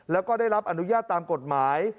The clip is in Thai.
แล้วก็ได้รับอนุญาตตามกฎหมาย